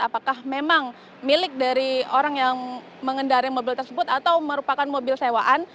apakah memang milik dari orang yang mengendari mobil tersebut atau merupakan mobil sewaan